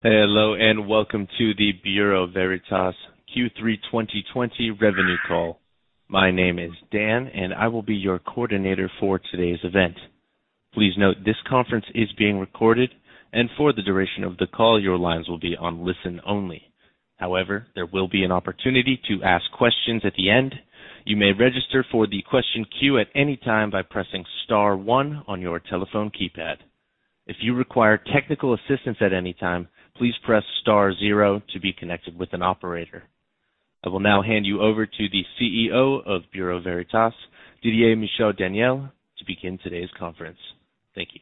Hello, and welcome to the Bureau Veritas Q3 2020 revenue call. My name is Dan, and I will be your coordinator for today's event. Please note this conference is being recorded and for the duration your calls will be in listen-only. There will be an opportunity to ask questions in the end. You may register for the Q&A by pressing star one on your telephone keypad. If you need technical assistance at anytime, please press star zero to connect with the operator. I will now hand you over to the Chief Executive Officer of Bureau Veritas, Didier Michaud-Daniel, to begin today's conference. Thank you.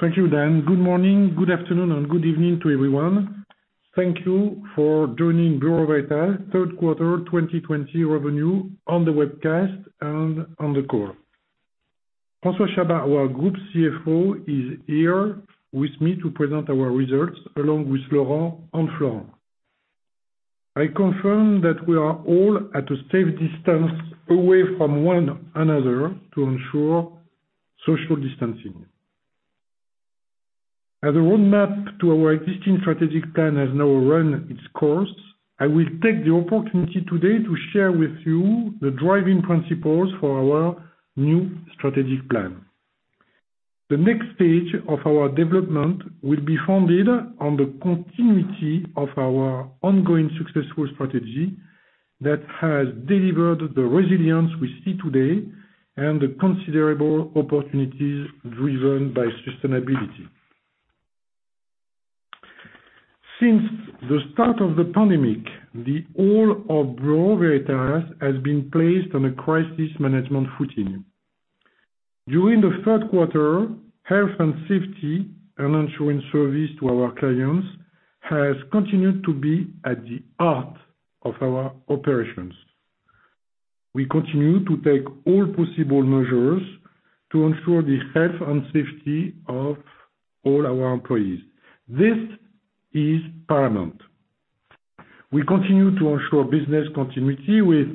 Thank you, Dan. Good morning, good afternoon, and good evening to everyone? Thank you for joining Bureau Veritas third quarter 2020 revenue on the webcast and on the call. François Chabas, our group Chief Financial Officer, is here with me to present our results, along with Laurent and Florent. I confirm that we are all at a safe distance away from one another to ensure social distancing. As a roadmap to our existing strategic plan has now run its course, I will take the opportunity today to share with you the driving principles for our new strategic plan. The next stage of our development will be founded on the continuity of our ongoing successful strategy that has delivered the resilience we see today and the considerable opportunities driven by sustainability. Since the start of the pandemic, the whole of Bureau Veritas has been placed on a crisis management footing. During the third quarter, health and safety and ensuring service to our clients has continued to be at the heart of our operations. We continue to take all possible measures to ensure the health and safety of all our employees. This is paramount. We continue to ensure business continuity with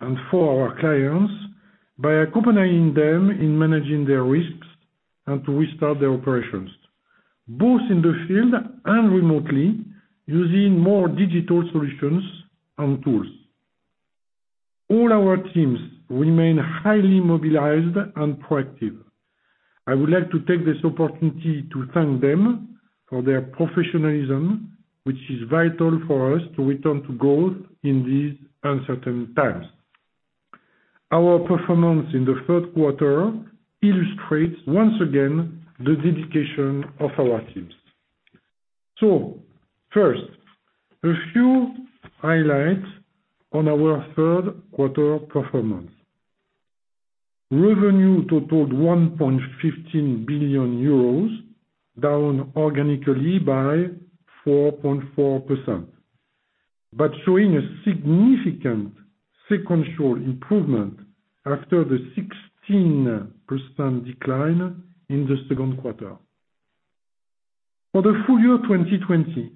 and for our clients by accompanying them in managing their risks and to restart their operations, both in the field and remotely, using more digital solutions and tools. All our teams remain highly mobilized and proactive. I would like to take this opportunity to thank them for their professionalism, which is vital for us to return to growth in these uncertain times. Our performance in the third quarter illustrates once again the dedication of our teams. First, a few highlights on our third quarter performance. Revenue totaled 1.15 billion euros, down organically by 4.4%, but showing a significant sequential improvement after the 16% decline in the second quarter. For the full year 2020,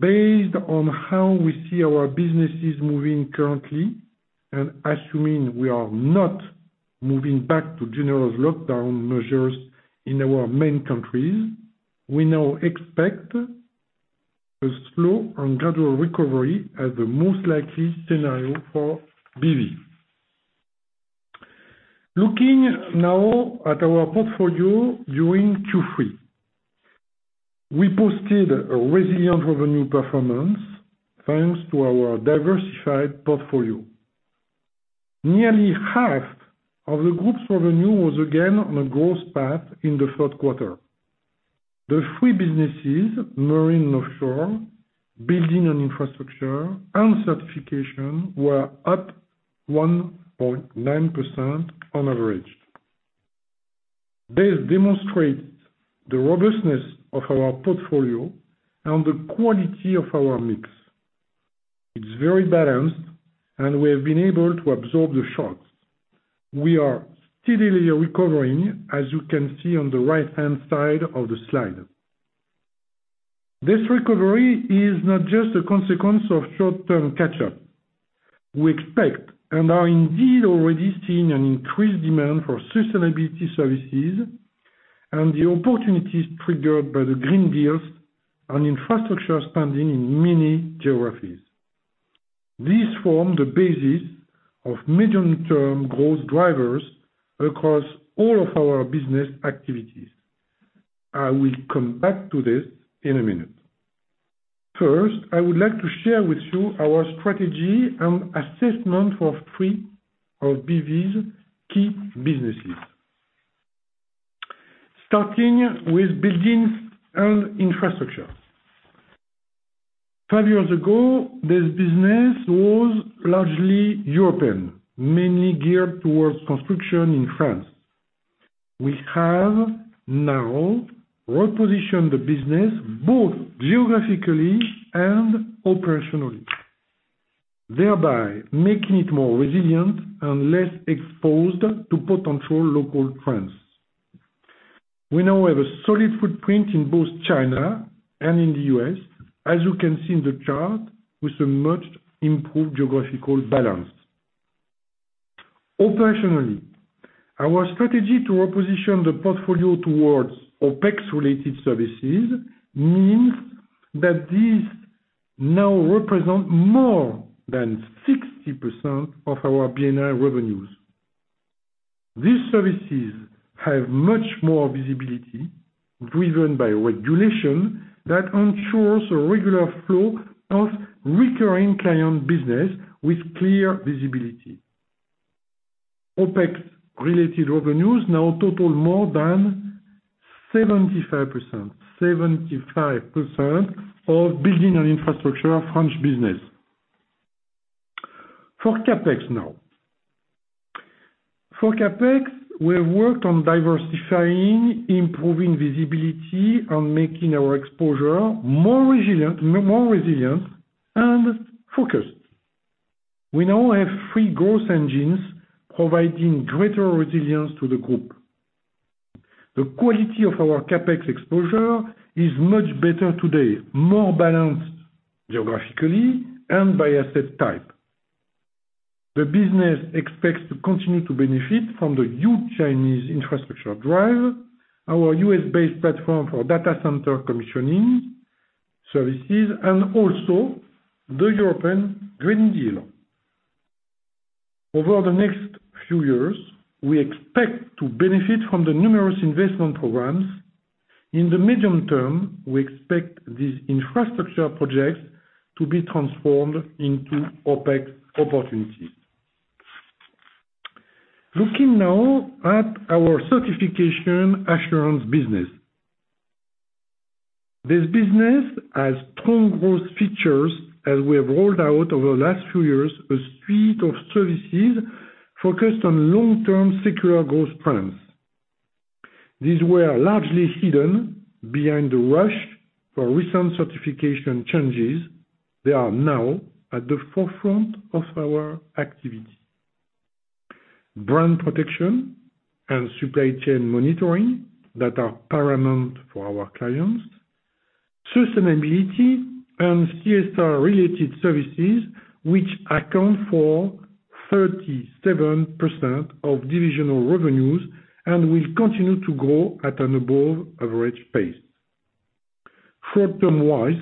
based on how we see our businesses moving currently and assuming we are not moving back to general lockdown measures in our main countries, we now expect a slow and gradual recovery as the most likely scenario for BV. Looking now at our portfolio during Q3. We posted a resilient revenue performance thanks to our diversified portfolio. Nearly half of the group's revenue was again on a growth path in the third quarter. The three businesses, Marine & Offshore, Building & Infrastructure, and Certification, were up 1.9% on average. This demonstrates the robustness of our portfolio and the quality of our mix. It's very balanced, and we have been able to absorb the shocks. We are steadily recovering, as you can see on the right-hand side of the slide. This recovery is not just a consequence of short-term catch-up. We expect and are indeed already seeing an increased demand for sustainability services and the opportunities triggered by the Green Deals and infrastructure spending in many geographies. These form the basis of medium-term growth drivers across all of our business activities. I will come back to this in a minute. First, I would like to share with you our strategy and assessment for three of BV's key businesses. Starting with Building & Infrastructure. Five years ago, this business was largely European, mainly geared towards construction in France. We have now repositioned the business both geographically and operationally, thereby making it more resilient and less exposed to potential local trends. We now have a solid footprint in both China and in the U.S., as you can see in the chart, with a much improved geographical balance. Operationally, our strategy to reposition the portfolio towards OpEx related services means that these now represent more than 60% of our B&I revenues. These services have much more visibility, driven by regulation that ensures a regular flow of recurring client business with clear visibility. OpEx related revenues now total more than 75% of Building & Infrastructure French business. For CapEx now. For CapEx, we have worked on diversifying, improving visibility, and making our exposure more resilient and focused. We now have three growth engines providing greater resilience to the group. The quality of our CapEx exposure is much better today, more balanced geographically and by asset type. The business expects to continue to benefit from the huge Chinese infrastructure drive, our U.S.-based platform for data center commissioning services, and also the European Green Deal. Over the next few years, we expect to benefit from the numerous investment programs. In the medium term, we expect these infrastructure projects to be transformed into OpEx opportunities. Looking now at our certification assurance business. This business has strong growth features as we have rolled out over the last few years a suite of services focused on long-term secular growth plans. These were largely hidden behind the rush for recent certification changes. They are now at the forefront of our activity. Brand protection and supply chain monitoring that are paramount for our clients, sustainability and CSR related services, which account for 37% of divisional revenues and will continue to grow at an above average pace. Short-term wise,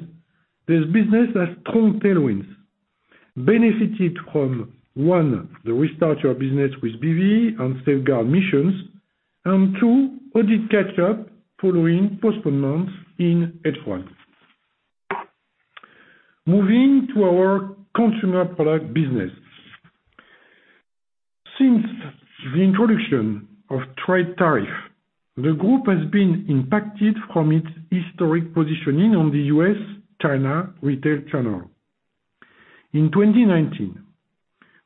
this business has strong tailwinds, benefited from, one, the Restart Your Business with BV and SafeGuard missions, and two, audit catch-up following postponements in H1. Moving to our Consumer Products business. Since the introduction of trade tariff, the group has been impacted from its historic positioning on the U.S.-China retail channel. In 2019,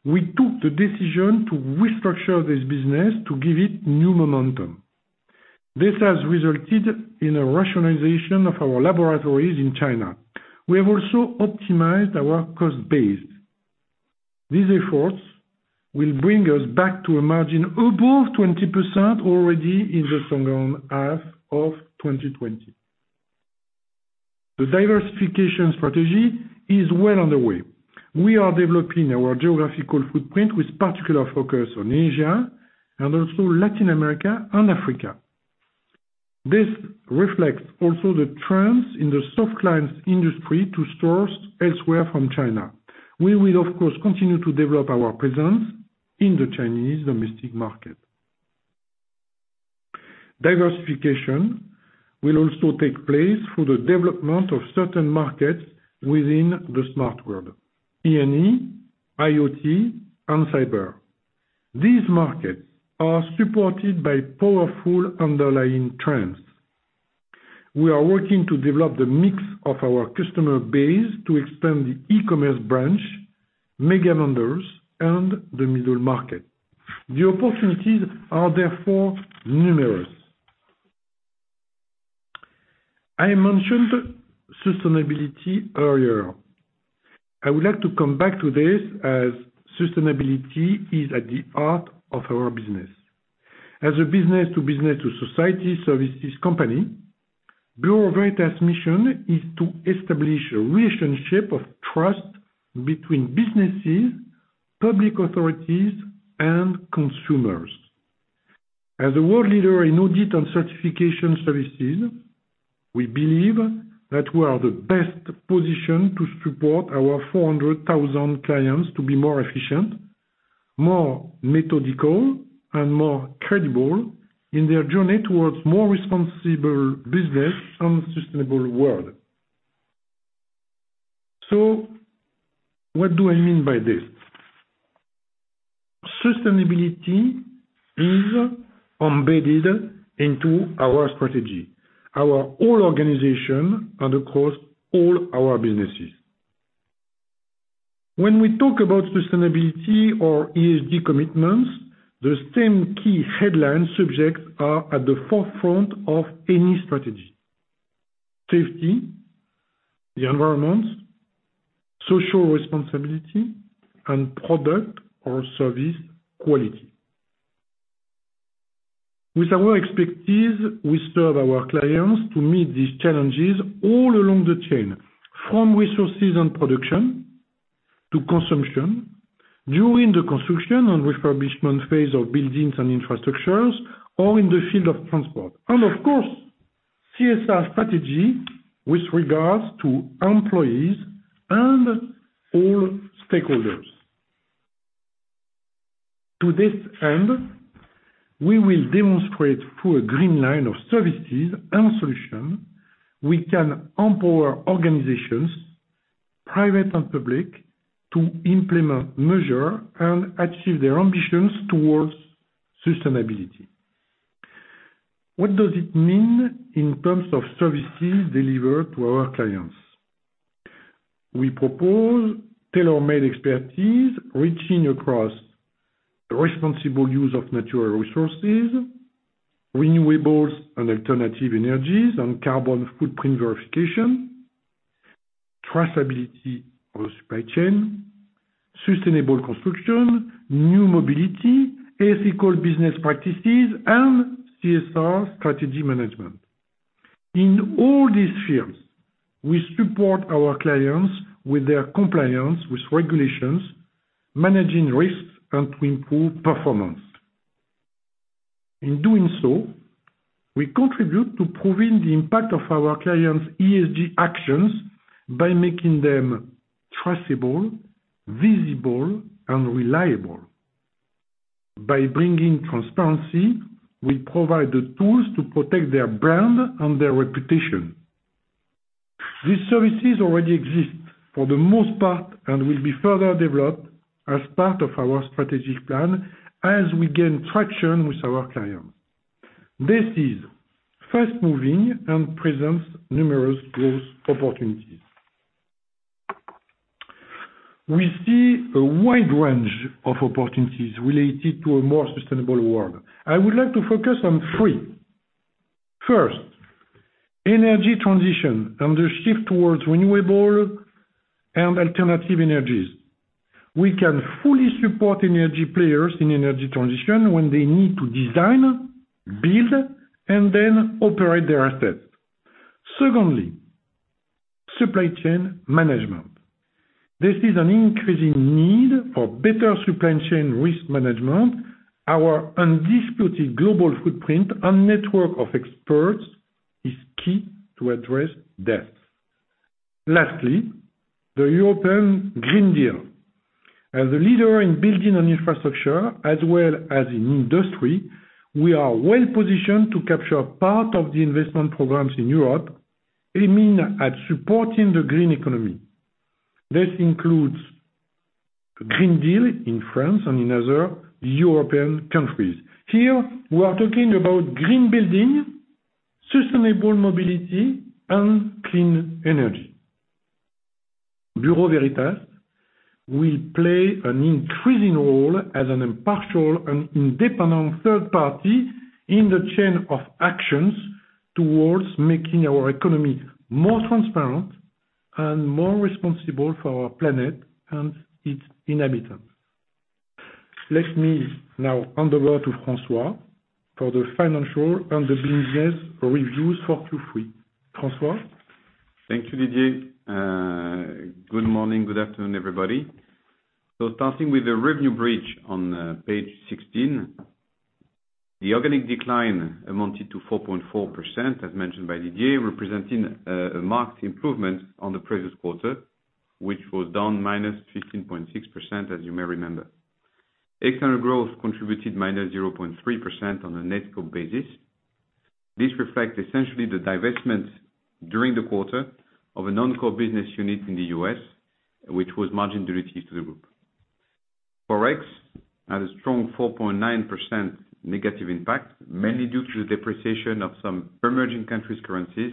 we took the decision to restructure this business to give it new momentum. This has resulted in a rationalization of our laboratories in China. We have also optimized our cost base. These efforts will bring us back to a margin above 20% already in the second half of 2020. The diversification strategy is well underway. We are developing our geographical footprint with particular focus on Asia and also Latin America and Africa. This reflects also the trends in the Softlines industry to source elsewhere from China. We will, of course, continue to develop our presence in the Chinese domestic market. Diversification will also take place through the development of certain markets within the smart world, E&E, IoT, and cyber. These markets are supported by powerful underlying trends. We are working to develop the mix of our customer base to expand the e-commerce branch, mega vendors, and the middle market. The opportunities are therefore numerous. I mentioned sustainability earlier. I would like to come back to this as sustainability is at the heart of our business. As a business-to-business-to-society services company, Bureau Veritas' mission is to establish a relationship of trust between businesses, public authorities, and consumers. As a world leader in audit and certification services, we believe that we are the best positioned to support our 400,000 clients to be more efficient, more methodical, and more credible in their journey towards more responsible business and sustainable world. What do I mean by this? Sustainability is embedded into our strategy, our whole organization, and across all our businesses. When we talk about sustainability or ESG commitments, the same key headline subjects are at the forefront of any strategy: safety, the environment, social responsibility, and product or service quality. With our expertise, we serve our clients to meet these challenges all along the chain, from resources and production to consumption, during the construction and refurbishment phase of buildings and infrastructures, or in the field of transport, and of course, CSR strategy with regards to employees and all stakeholders. To this end, we will demonstrate through a Green Line of services and solution, we can empower organizations, private and public, to implement measure and achieve their ambitions towards sustainability. What does it mean in terms of services delivered to our clients? We propose tailor-made expertise reaching across responsible use of natural resources, renewables and alternative energies on carbon footprint verification, traceability of supply chain, sustainable construction, new mobility, ethical business practices, and CSR strategy management. In all these fields, we support our clients with their compliance with regulations, managing risks, and to improve performance. In doing so, we contribute to proving the impact of our clients' ESG actions by making them traceable, visible, and reliable. By bringing transparency, we provide the tools to protect their brand and their reputation. These services already exist for the most part and will be further developed as part of our strategic plan as we gain traction with our clients. This is fast-moving and presents numerous growth opportunities. We see a wide range of opportunities related to a more sustainable world. I would like to focus on three. First, energy transition and the shift towards renewable and alternative energies. We can fully support energy players in energy transition when they need to design, build, and then operate their assets. Secondly, supply chain management. This is an increasing need for better supply chain risk management. Our undisputed global footprint and network of experts is key to address this. Lastly, the European Green Deal. As a leader in Building & Infrastructure, as well as in Industry, we are well-positioned to capture part of the investment programs in Europe aiming at supporting the green economy. This includes Green Deal in France and in other European countries. Here, we are talking about green building, sustainable mobility, and clean energy. Bureau Veritas will play an increasing role as an impartial and independent third party in the chain of actions towards making our economy more transparent and more responsible for our planet and its inhabitants. Let me now hand over to François for the financial and the business reviews for Q3. François? Thank you, Didier. Good morning, good afternoon everybody? Starting with the revenue bridge on page 16. The organic decline amounted to 4.4%, as mentioned by Didier, representing a marked improvement on the previous quarter, which was down -15.6%, as you may remember. External growth contributed -0.3% on a net core basis. This reflects essentially the divestment during the quarter of a non-core business unit in the U.S., which was margin dilutive to the group. Forex had a strong 4.9% negative impact, mainly due to the depreciation of some emerging countries' currencies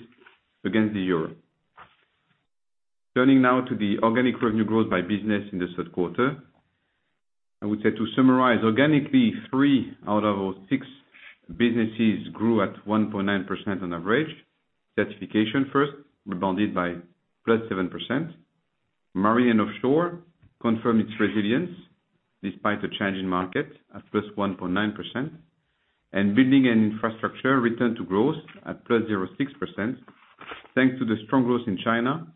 against the Euro. Turning now to the organic revenue growth by business in the third quarter. I would say to summarize organically, three out of our six businesses grew at 1.9% on average. Certification first rebounded by +7%. Marine & Offshore confirmed its resilience despite a change in market, at +1.9%, and Building & Infrastructure returned to growth at +0.6%, thanks to the strong growth in China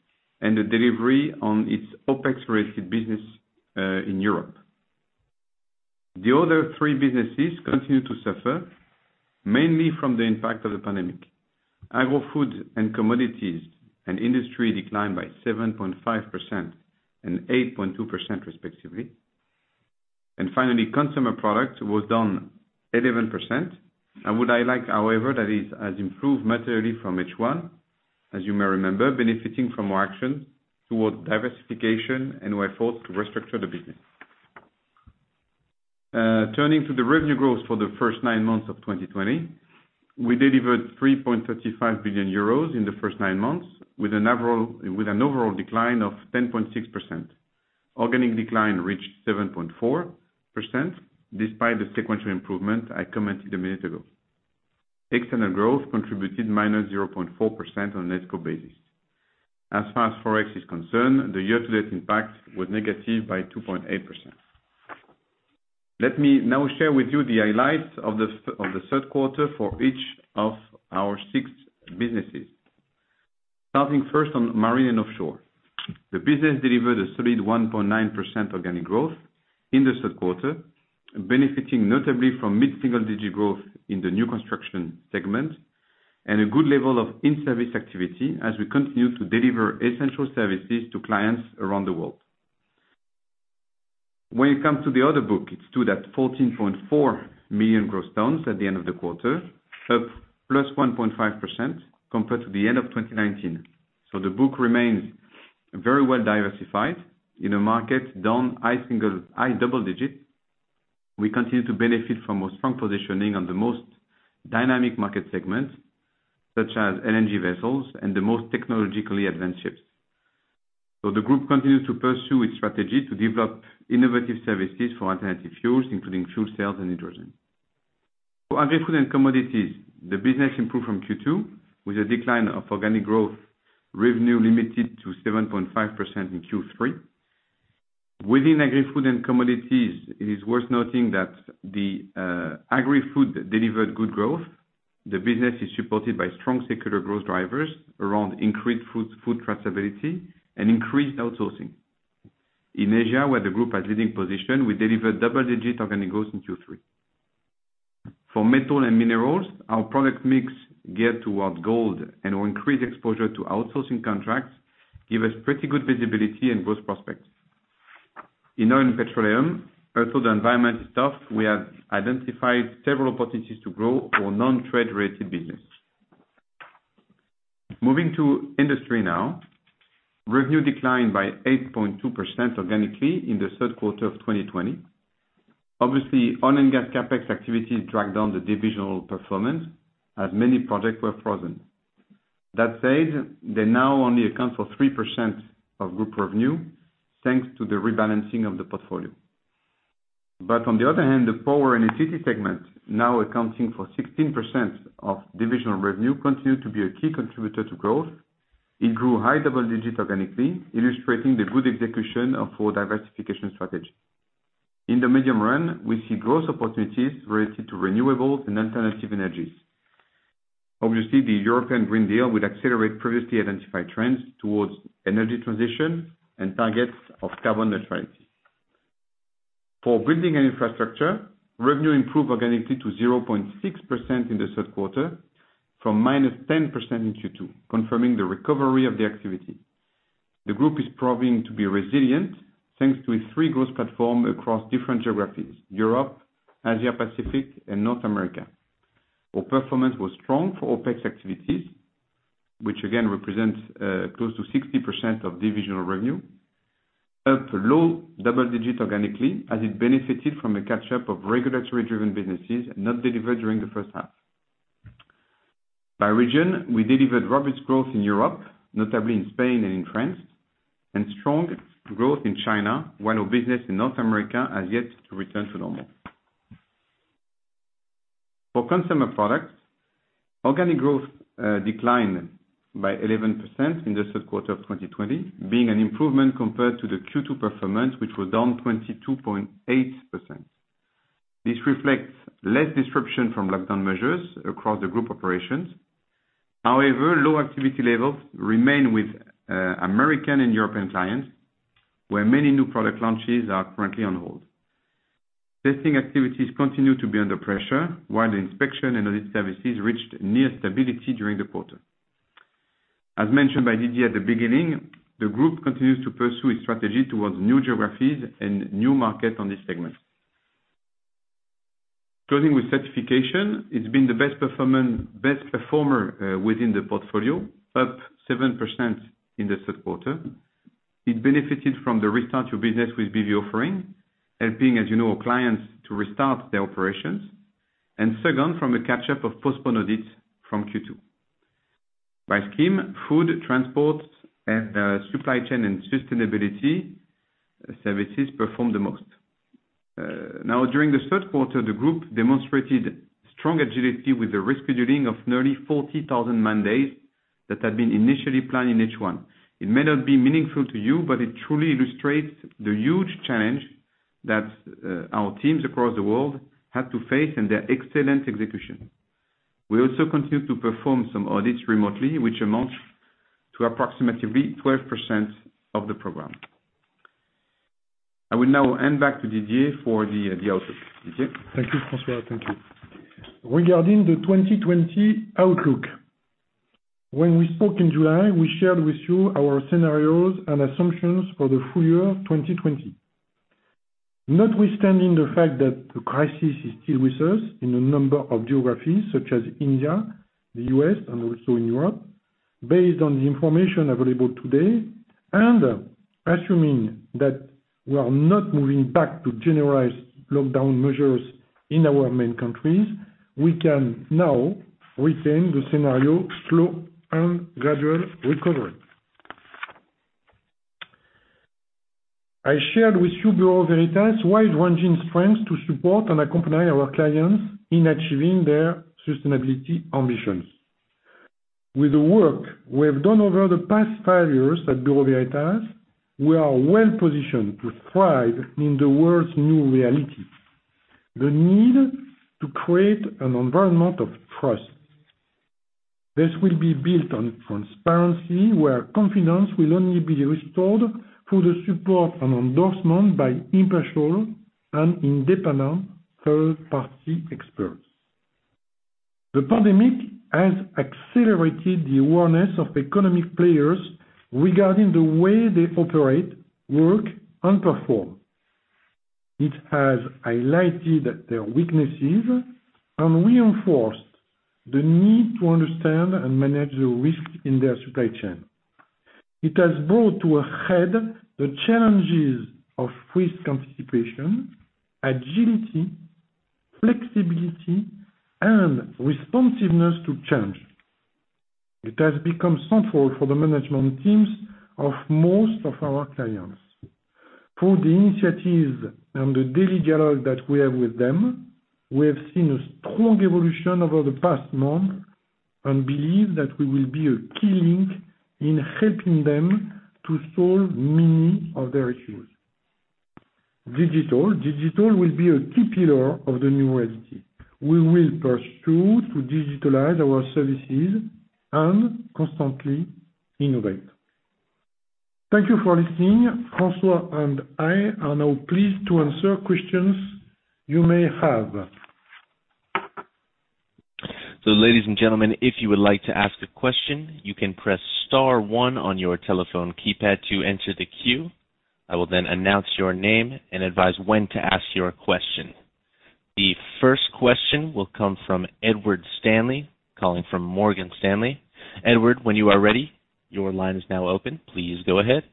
and the delivery on its OpEx-related business in Europe. The other three businesses continue to suffer, mainly from the impact of the pandemic. Agri-Food & Commodities and Industry declined by 7.5% and 8.2% respectively. Finally, Consumer Products was down 11%. I would highlight, however, that it has improved materially from H1, as you may remember, benefiting from our action towards diversification and our effort to restructure the business. Turning to the revenue growth for the first nine months of 2020. We delivered 3.35 billion euros in the first nine months, with an overall decline of 10.6%. Organic decline reached 7.4%, despite the sequential improvement I commented a minute ago. External growth contributed -0.4% on a net core basis. As far as Forex is concerned, the year-to-date impact was negative by 2.8%. Let me now share with you the highlights of the third quarter for each of our six businesses. Starting first on Marine & Offshore. The business delivered a solid 1.9% organic growth in the third quarter, benefiting notably from mid-single-digit growth in the new construction segment, and a good level of in-service activity as we continue to deliver essential services to clients around the world. When it comes to the order book, it stood at 14.4 million gross tons at the end of the quarter, up +1.5% compared to the end of 2019. The book remains very well diversified in a market down high double digits. We continue to benefit from a strong positioning on the most dynamic market segments, such as LNG vessels and the most technologically advanced ships. The group continues to pursue its strategy to develop innovative services for alternative fuels, including fuel cells and hydrogen. For Agri-Food & Commodities, the business improved from Q2 with a decline of organic growth revenue limited to 7.5% in Q3. Within Agri-Food & Commodities, it is worth noting that the Agri-Food delivered good growth. The business is supported by strong secular growth drivers around increased food traceability and increased outsourcing. In Asia, where the group has leading position, we delivered double-digit organic growth in Q3. For Metal and Minerals, our product mix geared towards gold and our increased exposure to outsourcing contracts give us pretty good visibility and growth prospects. In oil and petroleum, also the environment stuff, we have identified several opportunities to grow our non-trade-related business. Moving to Industry now. Revenue declined by 8.2% organically in the third quarter of 2020. Obviously, oil and gas CapEx activities dragged down the divisional performance as many projects were frozen. That said, they now only account for 3% of group revenue, thanks to the rebalancing of the portfolio. On the other hand, the Power & Utilities segment, now accounting for 16% of divisional revenue, continue to be a key contributor to growth. It grew high double digit organically, illustrating the good execution of our diversification strategy. In the medium run, we see growth opportunities related to renewables and alternative energies. Obviously, the European Green Deal will accelerate previously identified trends towards energy transition and targets of carbon neutrality. For Building & Infrastructure, revenue improved organically to 0.6% in the third quarter from -10% in Q2, confirming the recovery of the activity. The group is proving to be resilient, thanks to a three growth platform across different geographies, Europe, Asia Pacific and North America. Our performance was strong for OpEx activities, which again represents close to 60% of divisional revenue, up low double digit organically as it benefited from a catch-up of regulatory-driven businesses not delivered during the first half. By region, we delivered robust growth in Europe, notably in Spain and in France, and strong growth in China, while our business in North America has yet to return to normal. For Consumer Products, organic growth declined by 11% in the third quarter of 2020, being an improvement compared to the Q2 performance, which was down 22.8%. This reflects less disruption from lockdown measures across the group operations. However, low activity levels remain with American and European clients, where many new product launches are currently on hold. Testing activities continue to be under pressure, while the inspection and other services reached near stability during the quarter. As mentioned by Didier at the beginning, the group continues to pursue its strategy towards new geographies and new markets on this segment. Closing with certification, it's been the best performer within the portfolio, up 7% in the third quarter. It benefited from the Restart Your Business with BV offering, helping as you know clients to restart their operations, and second, from a catch-up of postponed audits from Q2. By scheme, food, transport, and supply chain and sustainability services performed the most. Now, during the third quarter, the group demonstrated strong agility with the rescheduling of nearly 40,000 man days that had been initially planned in H1. It may not be meaningful to you, but it truly illustrates the huge challenge that our teams across the world had to face and their excellent execution. We also continued to perform some audits remotely, which amounts to approximately 12% of the program. I will now hand back to Didier for the outlook. Didier? Thank you, François. Thank you. Regarding the 2020 outlook, when we spoke in July, we shared with you our scenarios and assumptions for the full year 2020. Notwithstanding the fact that the crisis is still with us in a number of geographies such as India, the U.S., and also in Europe, based on the information available today and assuming that we are not moving back to generalized lockdown measures in our main countries, we can now retain the scenario slow and gradual recovery. I shared with you Bureau Veritas' wide-ranging strengths to support and accompany our clients in achieving their sustainability ambitions. With the work we have done over the past five years at Bureau Veritas, we are well-positioned to thrive in the world's new reality, the need to create an environment of trust. This will be built on transparency, where confidence will only be restored through the support and endorsement by impartial and independent third-party experts. The pandemic has accelerated the awareness of economic players regarding the way they operate, work, and perform. It has highlighted their weaknesses and reinforced the need to understand and manage the risks in their supply chain. It has brought to a head the challenges of risk anticipation, agility, flexibility, and responsiveness to change. It has become central for the management teams of most of our clients. Through the initiatives and the daily dialogue that we have with them, we have seen a strong evolution over the past month and believe that we will be a key link in helping them to solve many of their issues. Digital. Digital will be a key pillar of the new reality. We will pursue to digitalize our services and constantly innovate. Thank you for listening. François and I are now pleased to answer questions you may have. Ladies and gentlemen, if you would like to ask a question, you can press star one on your telephone keypad to enter the queue. I will then announce your name and advise when to ask your question. The first question will come from Edward Stanley calling from Morgan Stanley. Edward, when you are ready, your line is now open. Please go ahead.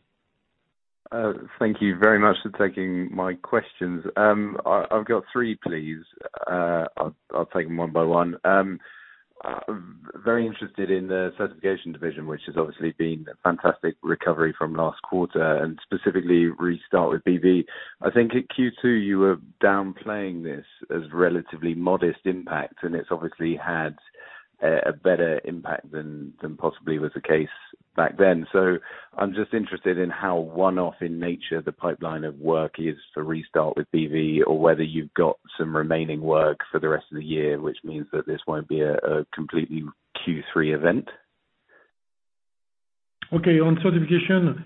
Thank you very much for taking my questions. I've got three, please. I'll take them one by one. Very interested in the Certification division, which has obviously been a fantastic recovery from last quarter and specifically Restart with BV. I think at Q2 you were downplaying this as relatively modest impact, and it's obviously had a better impact than possibly was the case back then. I'm just interested in how one-off in nature the pipeline of work is to Restart with BV or whether you've got some remaining work for the rest of the year, which means that this won't be a completely Q3 event. On Certification,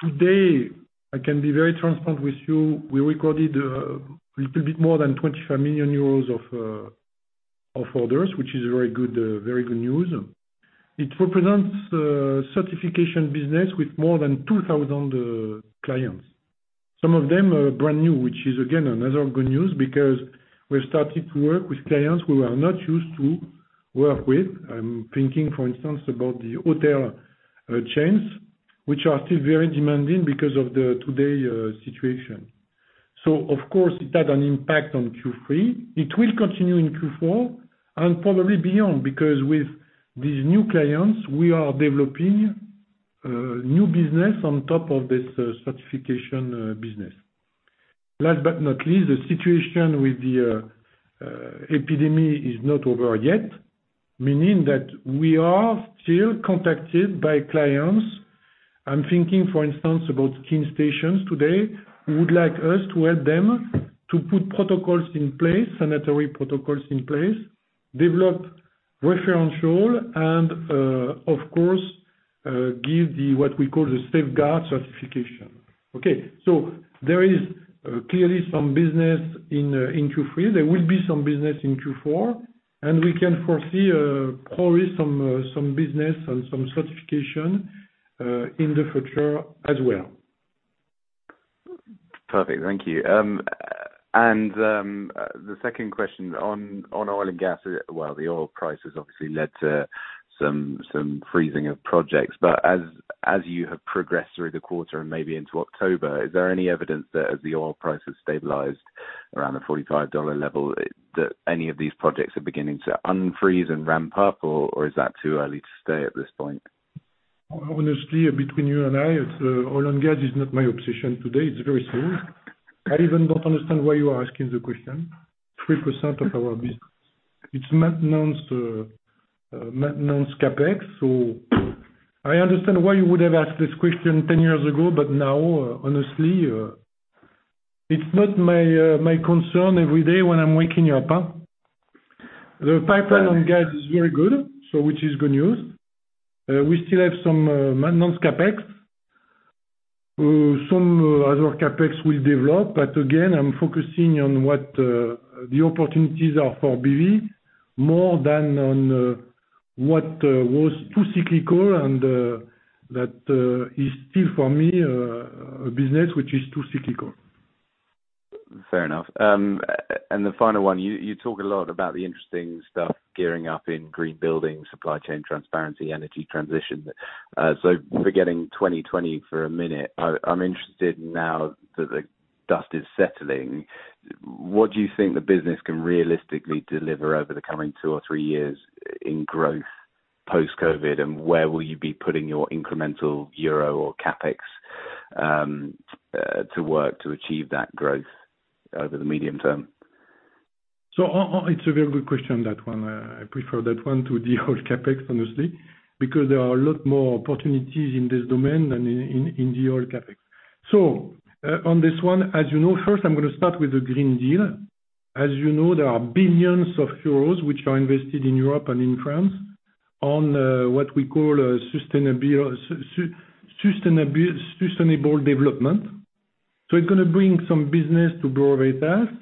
today I can be very transparent with you. We recorded a little bit more than 25 million euros of orders, which is very good news. It represents Certification business with more than 2,000 clients. Some of them are brand new, which is again another good news because we're starting to work with clients who we are not used to work with. I'm thinking, for instance, about the hotel chains, which are still very demanding because of the today situation. Of course it had an impact on Q3. It will continue in Q4 and probably beyond, because with these new clients, we are developing new business on top of this Certification business. Last but not least, the situation with the epidemic is not over yet, meaning that we are still contacted by clients. I'm thinking, for instance, about Clean Stations today who would like us to help them to put protocols in place, sanitary protocols in place, develop referentials], and of course, give what we call the SafeGuard certification. Okay, there is clearly some business in Q3. There will be some business in Q4, and we can foresee probably some business and some certification in the future as well. Perfect. Thank you. The second question on oil and gas. Well, the oil price has obviously led to some freezing of projects, but as you have progressed through the quarter and maybe into October, is there any evidence that as the oil price has stabilized around the EUR 45 level, that any of these projects are beginning to unfreeze and ramp up? Or is that too early to say at this point? Honestly, between you and I, oil and gas is not my obsession today. It's very small. I even don't understand why you are asking the question. 3% of our business, it's maintenance CapEx. I understand why you would have asked this question 10 years ago, but now, honestly, it's not my concern every day when I'm waking up. The pipeline on gas is very good. Which is good news. We still have some maintenance CapEx. Some other CapEx will develop. Again, I'm focusing on what the opportunities are for BV, more than on what was too cyclical and that is still, for me, a business which is too cyclical. Fair enough. The final one. You talk a lot about the interesting stuff gearing up in green building, supply chain transparency, energy transition. Forgetting 2020 for a minute, I'm interested now that the dust is settling, what do you think the business can realistically deliver over the coming two years or three years in growth? Post-COVID, and where will you be putting your incremental EUR or CapEx to work to achieve that growth over the medium term? It's a very good question, that one. I prefer that one to the whole CapEx, honestly, because there are a lot more opportunities in this domain than in the whole CapEx. On this one, as you know, first I'm going to start with the Green Deal. As you know, there are billions of Euros which are invested in Europe and in France on what we call a sustainable development. It's going to bring some business to Bureau Veritas,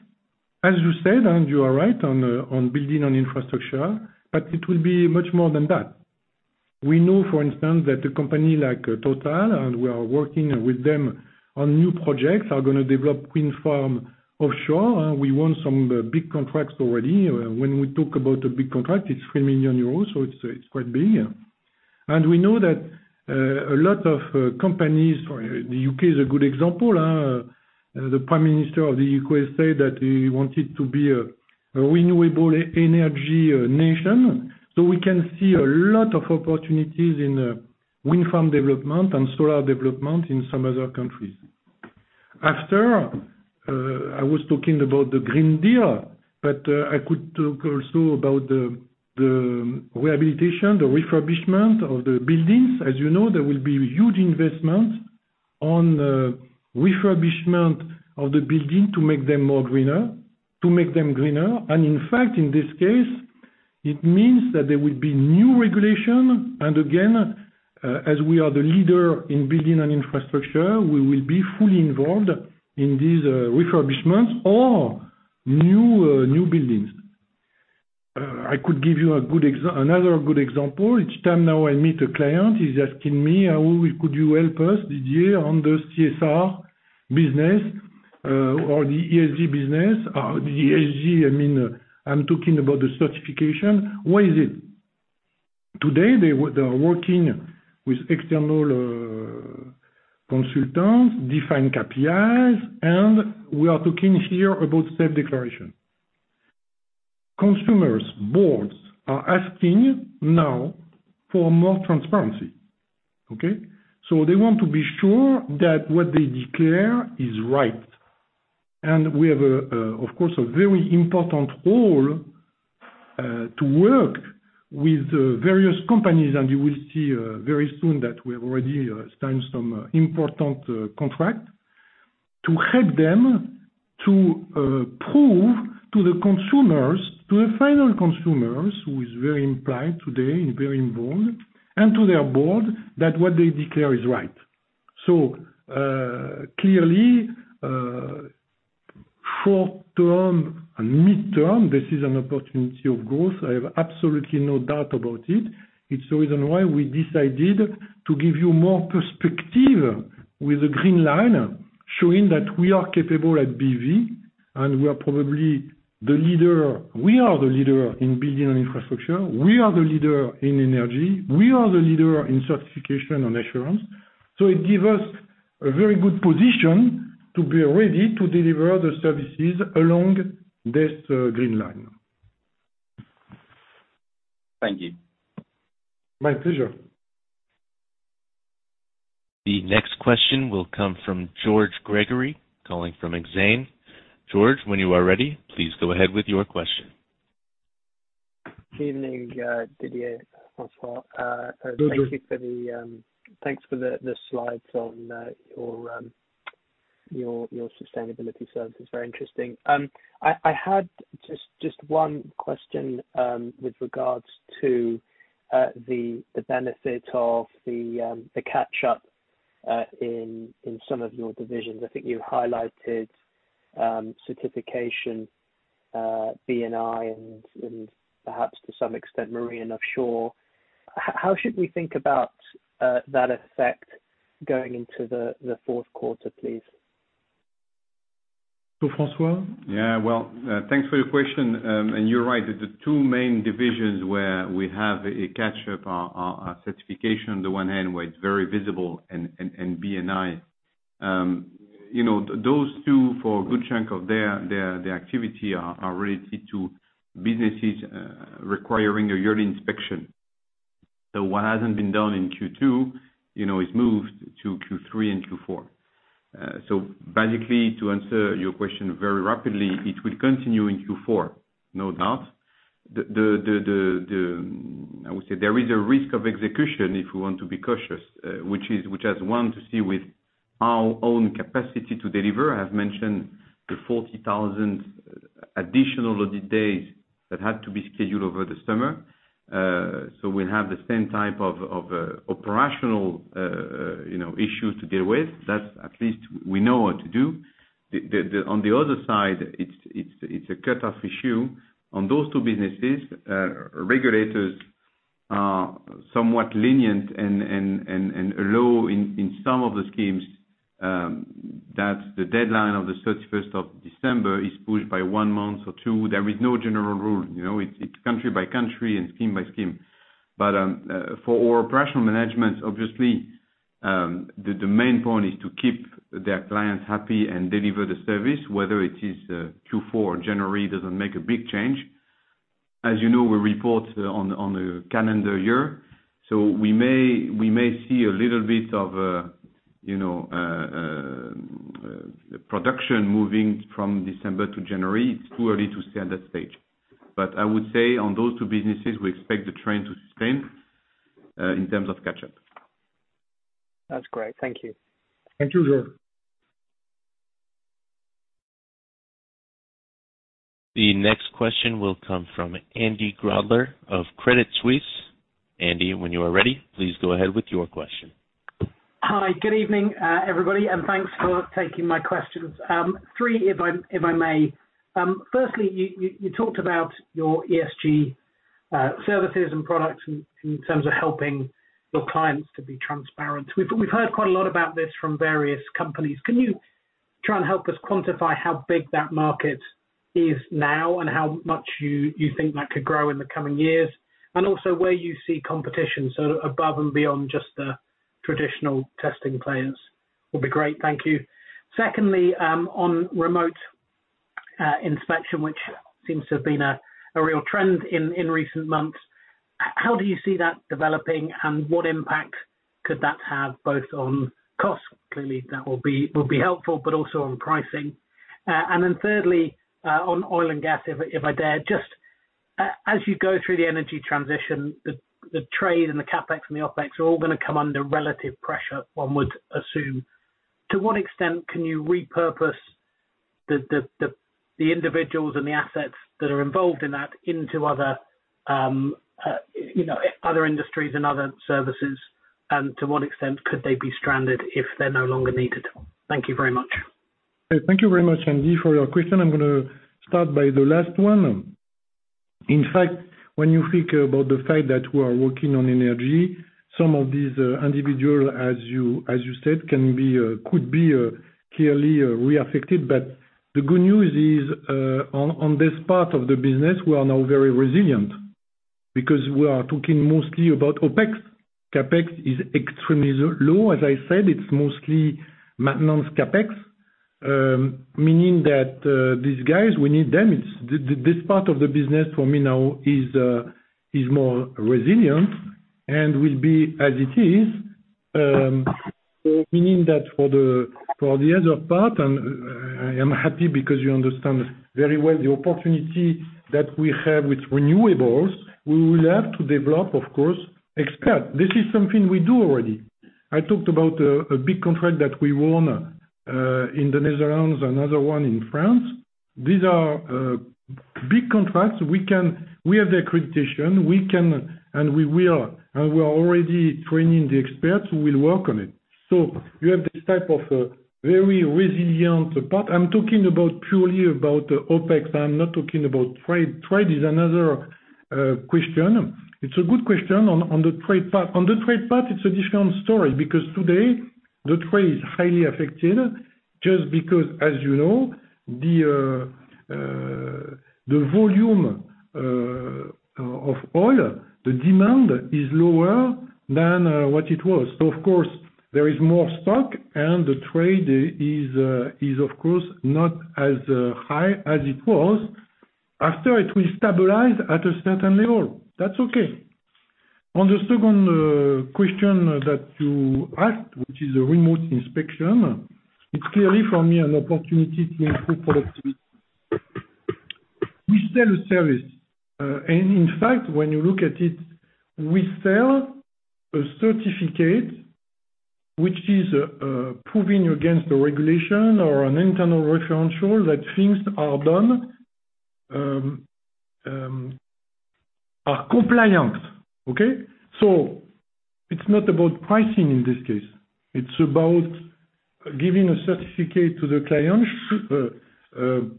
as you said, and you are right on building on infrastructure, but it will be much more than that. We know, for instance, that a company like Total, and we are working with them on new projects, are going to develop wind farm offshore. We won some big contracts already. When we talk about a big contract, it's 3 million euros, so it's quite big. We know that a lot of companies, the U.K. is a good example. The Prime Minister of the U.K. said that he wanted to be a renewable energy nation. We can see a lot of opportunities in wind farm development and solar development in some other countries. After, I was talking about the Green Deal, but I could talk also about the rehabilitation, the refurbishment of the buildings. As you know, there will be huge investment on refurbishment of the building to make them greener. In fact, in this case, it means that there will be new regulation, and again, as we are the leader in Building & Infrastructure, we will be fully involved in these refurbishments or new buildings. I could give you another good example. Each time now I meet a client, he's asking me, could you help us, Didier, on the CSR business or the ESG business? The ESG, I mean, I'm talking about the certification. Why is it? Today, they are working with external consultants, define KPIs, and we are talking here about self-declaration. Consumers boards are asking now for more transparency. Okay? They want to be sure that what they declare is right. We have, of course, a very important role to work with various companies, and you will see very soon that we have already signed some important contract to help them to prove to the consumers, to the final consumers, who is very implied today and very involved, and to their board that what they declare is right. Clearly, short term and mid-term, this is an opportunity of growth. I have absolutely no doubt about it. It's the reason why we decided to give you more perspective with the Green Line showing that we are capable at BV. We are the leader in Building & Infrastructure. We are the leader in energy. We are the leader in Certification and assurance. It gives us a very good position to be ready to deliver the services along this Green Line. Thank you. My pleasure. The next question will come from George Gregory, calling from Exane. George, when you are ready, please go ahead with your question. Evening, Didier, François? Good day. Thanks for the slides on your sustainability services. Very interesting. I had just one question, with regards to the benefit of the catch-up in some of your divisions. I think you highlighted Certification, B&I, and perhaps to some extent, Marine & Offshore. How should we think about that effect going into the fourth quarter, please? To François? Well, thanks for your question. You're right. The two main divisions where we have a catch-up are Certification on the one hand, where it's very visible, and B&I. Those two, for a good chunk of their activity, are related to businesses requiring a yearly inspection. What hasn't been done in Q2 is moved to Q3 and Q4. Basically, to answer your question very rapidly, it will continue in Q4, no doubt. I would say there is a risk of execution if we want to be cautious, which has one to see with our own capacity to deliver. I have mentioned the 40,000 additional loaded days that had to be scheduled over the summer. We'll have the same type of operational issues to deal with. That at least we know what to do. On the other side, it's a cutoff issue on those two businesses. Regulators are somewhat lenient and low in some of the schemes, that the deadline of December 31 is pushed by one month or two. There is no general rule. It's country by country and scheme by scheme. For our operational management, obviously, the main point is to keep their clients happy and deliver the service, whether it is Q4 or January doesn't make a big change. As you know, we report on a calendar year. We may see a little bit of production moving from December to January. It's too early to say at this stage. I would say on those two businesses, we expect the trend to sustain, in terms of catch-up. That's great. Thank you. Thank you, George. The next question will come from Andy Grobler of Credit Suisse. Andy, when you are ready, please go ahead with your question. Hi. Good evening, everybody, and thanks for taking my questions. Three, if I may. Firstly, you talked about your ESG services and products in terms of helping your clients to be transparent. We've heard quite a lot about this from various companies. Can you try and help us quantify how big that market is now and how much you think that could grow in the coming years? Also where you see competition, so above and beyond just the traditional testing players will be great. Thank you. Secondly, on remote inspection, which seems to have been a real trend in recent months, how do you see that developing and what impact could that have both on cost, clearly that will be helpful, but also on pricing? Thirdly, on oil and gas, if I dare, just as you go through the energy transition, the trade and the CapEx and the OpEx are all going to come under relative pressure, one would assume. To what extent can you repurpose the individuals and the assets that are involved in that into other industries and other services? To what extent could they be stranded if they're no longer needed? Thank you very much. Thank you very much, Andy, for your question. I'm going to start by the last one. In fact, when you think about the fact that we are working on energy, some of these individual, as you said, could be clearly re-affected. The good news is on this part of the business, we are now very resilient because we are talking mostly about OpEx. CapEx is extremely low. As I said, it's mostly maintenance CapEx, meaning that these guys, we need them. This part of the business for me now is more resilient and will be as it is. Meaning that for the other part, I am happy because you understand very well the opportunity that we have with renewables. We will have to develop, of course, experts. This is something we do already. I talked about a big contract that we won in the Netherlands, another one in France. These are big contracts. We have the accreditation. We are already training the experts who will work on it. You have this type of very resilient part. I'm talking about purely about OpEx. I'm not talking about trade. Trade is another question. It's a good question on the trade part. On the trade part, it's a different story because today, the trade is highly affected just because, as you know, the volume of oil, the demand is lower than what it was. Of course, there is more stock, and the trade is of course not as high as it was. After it will stabilize at a certain level. That's okay. On the second question that you asked, which is a remote inspection, it's clearly for me an opportunity to improve productivity. We sell a service. In fact, when you look at it, we sell a certificate which is proving against a regulation or an internal referential that things are done, are compliant. Okay. It's not about pricing in this case. It's about giving a certificate to the client,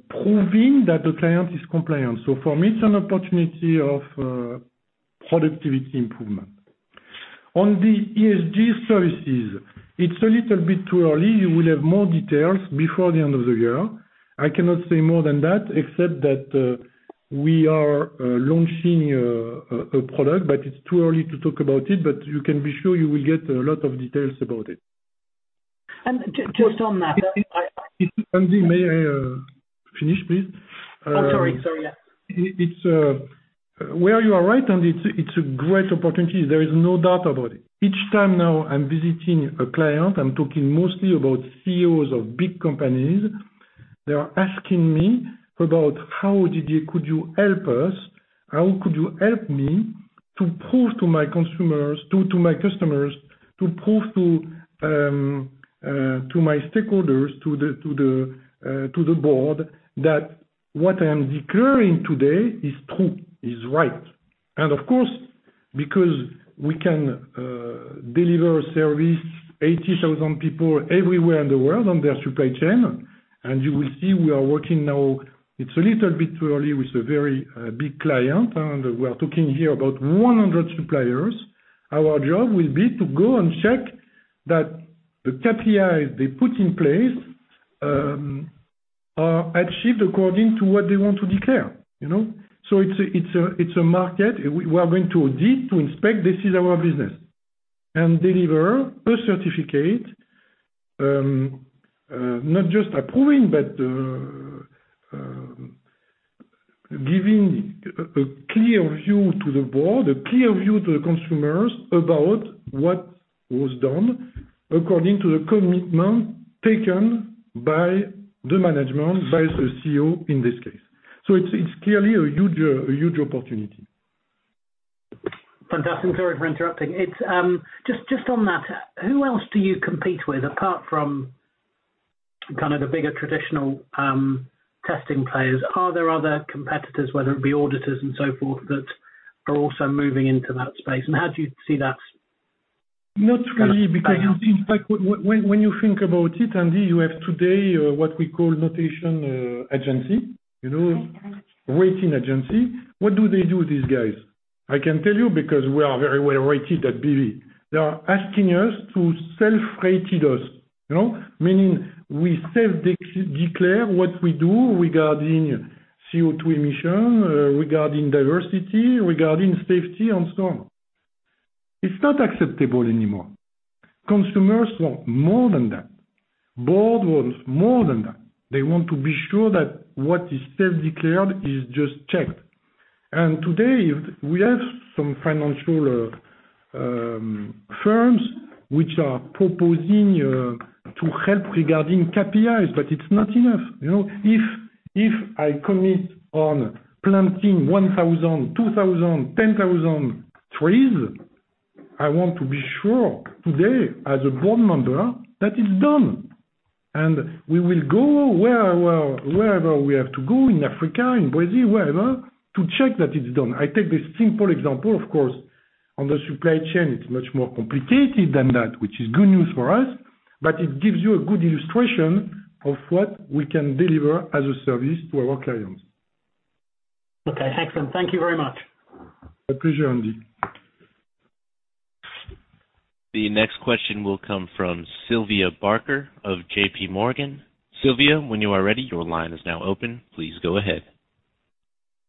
proving that the client is compliant. For me, it's an opportunity of productivity improvement. On the ESG services, it's a little bit too early. You will have more details before the end of the year. I cannot say more than that, except that we are launching a product, but it's too early to talk about it, but you can be sure you will get a lot of details about it. Just on that. Andy, may I finish, please? Oh, sorry. Yeah. Well, you are right, Andy Grobler. It's a great opportunity. There is no doubt about it. Each time now I'm visiting a client, I'm talking mostly about Chief Executive Officers of big companies. They are asking me about how, Didier, could you help us? How could you help me to prove to my customers, to prove to my stakeholders, to the board that what I am declaring today is true, is right? Of course, because we can deliver service 80,000 people everywhere in the world on their supply chain. You will see we are working now, it's a little bit early with a very big client, and we are talking here about 100 suppliers. Our job will be to go and check that the KPI they put in place are achieved according to what they want to declare. It's a market. We are going to audit, to inspect, this is our business. Deliver a certificate, not just approving, but giving a clear view to the board, a clear view to the consumers about what was done according to the commitment taken by the management, by the Chief Executive Officer in this case. It's clearly a huge opportunity. Fantastic. Sorry for interrupting. Just on that, who else do you compete with apart from kind of the bigger traditional testing players? Are there other competitors, whether it be auditors and so forth, that are also moving into that space? How do you see that kind of playing out? Not really, in fact, when you think about it, Andy, you have today what we call rating agency. What do they do, these guys? I can tell you because we are very well-rated at BV. They are asking us to self-rated us. Meaning we self-declare what we do regarding CO2 emission, regarding diversity, regarding safety and so on. It's not acceptable anymore. Consumers want more than that. board wants more than that. They want to be sure that what is self-declared is just checked. Today, we have some financial firms which are proposing to help regarding KPIs, but it's not enough. If I commit on planting 1,000 trees, 2,000 trees, 10,000 trees, I want to be sure today, as a Board Member, that it's done. We will go wherever we have to go, in Africa, in Brazil, wherever, to check that it's done. I take this simple example, of course, on the supply chain, it's much more complicated than that, which is good news for us, but it gives you a good illustration of what we can deliver as a service to our clients. Okay, excellent. Thank you very much. My pleasure, Andy. The next question will come from Sylvia Barker of JPMorgan. Sylvia, when you are ready, your line is now open. Please go ahead.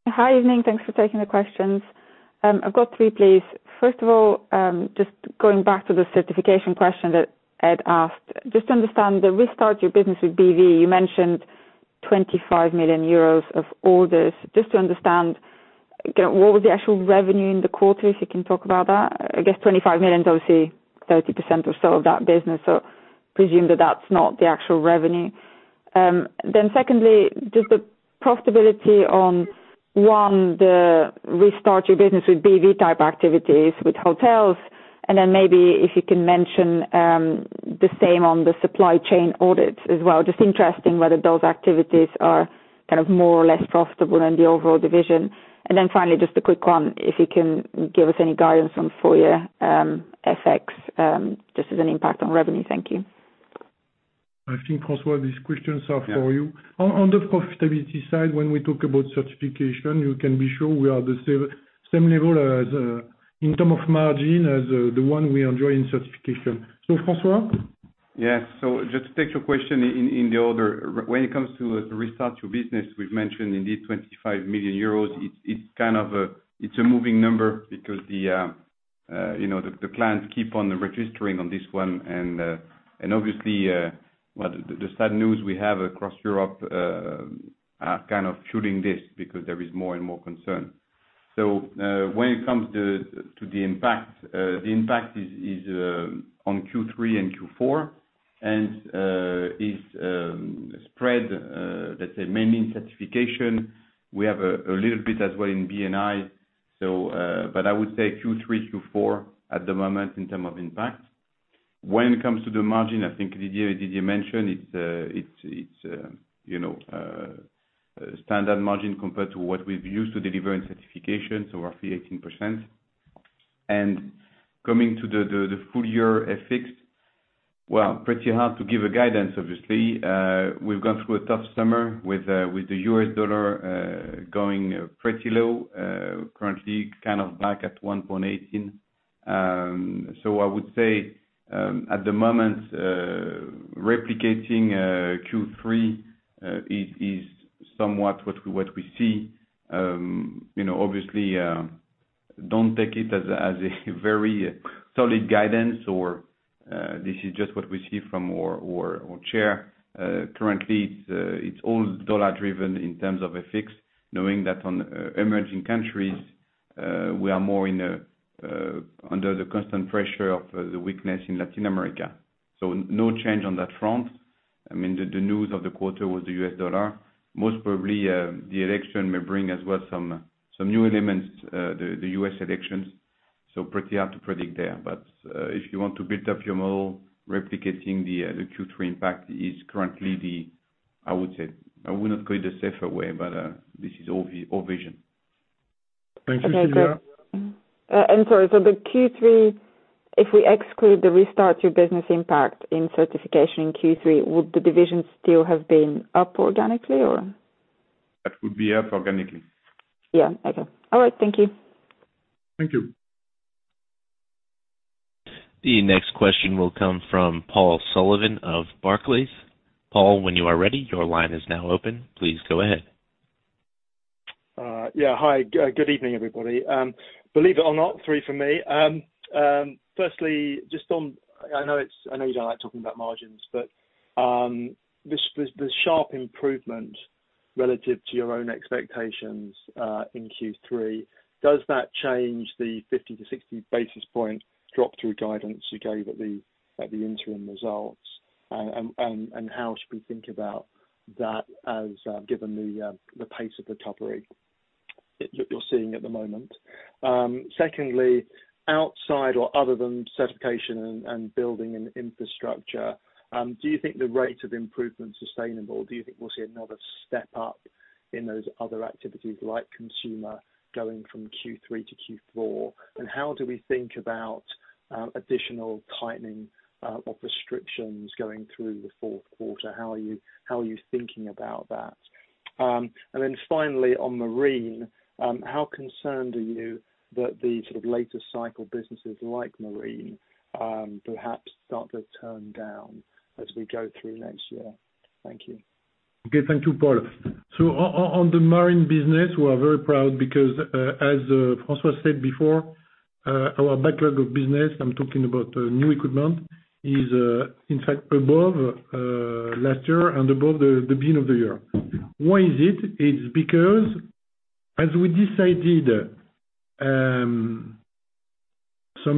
Hi, evening? Thanks for taking the questions. I've got three, please. Just going back to the Certification question that Ed asked. Just to understand the Restart Your Business with BV, you mentioned 25 million euros of orders. What was the actual revenue in the quarter, if you can talk about that? I guess 25 million is obviously 30% or so of that business, presume that that's not the actual revenue. Secondly, just the profitability on, one, the Restart Your Business with BV-type activities with hotels, maybe if you can mention the same on the supply chain audits as well. Just interesting whether those activities are kind of more or less profitable than the overall division. Finally, just a quick one, if you can give us any guidance on full year FX, just as an impact on revenue. Thank you. I think, François, these questions are for you. Yeah. On the profitability side, when we talk about certification, you can be sure we are the same level in terms of margin as the one we enjoy in Certification. François? Yes. Just to take your question in the order. When it comes to Restart Your Business with BV, we've mentioned indeed 25 million euros. It's a moving number because the clients keep on registering on this one. Obviously, the sad news we have across Europe are kind of shooting this because there is more and more concern. When it comes to the impact, the impact is on Q3 and Q4, and is spread, let's say, mainly in Certification. We have a little bit as well in B&I. I would say Q3, Q4 at the moment in term of impact. When it comes to the margin, I think Didier mentioned, it's standard margin compared to what we've used to deliver in Certification, so roughly 18%. Coming to the full year FX, well, pretty hard to give a guidance, obviously. We've gone through a tough summer with the U.S. dollar going pretty low. Currently, kind of back at 1.18. I would say, at the moment, replicating Q3 is somewhat what we see. Obviously, don't take it as a very solid guidance or this is just what we see from our chair. Currently, it's all dollar-driven in terms of FX, knowing that on emerging countries, we are more under the constant pressure of the weakness in Latin America. No change on that front. The news of the quarter was the U.S. dollar. Most probably, the election may bring as well some new elements, the U.S. elections, so pretty hard to predict there. If you want to build up your model, replicating the Q3 impact is currently the, I would say I would not call it the safer way, but this is our vision. Thank you, Sylvia. Okay, great. Sorry, the Q3, if we exclude the Restart Your Business impact in Certification in Q3, would the division still have been up organically, or? That would be up organically. Yeah. Okay. All right, thank you. Thank you. The next question will come from Paul Sullivan of Barclays. Paul, when you are ready, your line is now open. Please go ahead. Yeah. Hi, good evening everybody? Believe it or not, three from me. Firstly, I know you don't like talking about margins. The sharp improvement relative to your own expectations, in Q3, does that change the 50 basis points to 60 basis point drop-through guidance you gave at the interim results? How should we think about that given the pace of recovery that you're seeing at the moment? Secondly, outside or other than Certification and Building & Infrastructure, do you think the rate of improvement is sustainable, or do you think we'll see another step up in those other activities like Consumer Products going from Q3 to Q4? How do we think about additional tightening of restrictions going through the fourth quarter? How are you thinking about that? Finally on Marine, how concerned are you that the sort of later cycle businesses like Marine, perhaps start to turn down as we go through next year? Thank you. Okay. Thank you, Paul. On the marine business, we are very proud because, as François said before, our backlog of business, I'm talking about new equipment, is in fact above last year and above the beginning of the year. Why is it? It's because as we decided some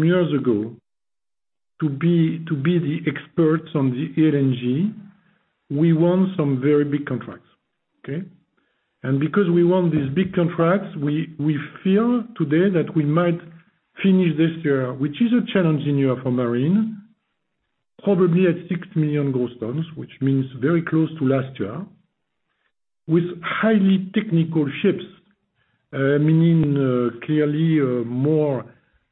years ago to be the experts on the LNG, we won some very big contracts. Okay. Because we won these big contracts, we feel today that we might finish this year, which is a challenging year for marine, probably at 6 million gross tons, which means very close to last year, with highly technical ships. Meaning clearly more